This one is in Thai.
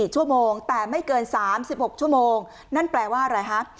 ๔ชั่วโมงแต่ไม่เกิน๓๖ชั่วโมงนั่นแปลว่าอะไรฮะ